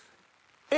え？